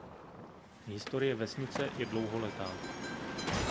Historie vesnice je dlouholetá.